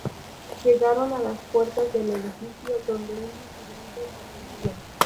Llegaron a las puertas del edificio, donde un vigilante atendía.